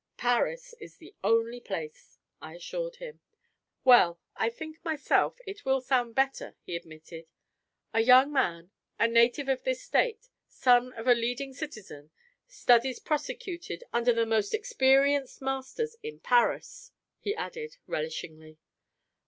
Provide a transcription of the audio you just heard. "Paris is the only place," I assured him. "Well, I think myself it will sound better," he admitted. "A Young Man, a Native of this State, Son of a Leading Citizen, Studies Prosecuted under the Most Experienced Masters in Paris," he added, relishingly.